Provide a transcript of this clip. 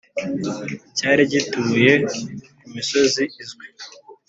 cyari gituye ku misozi izwi